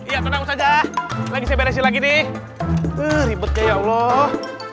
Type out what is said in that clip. ya tuhan aku saja lagi beres lagi nih ribet ya allah